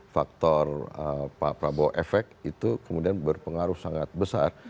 faktor pak prabowo efek itu kemudian berpengaruh sangat besar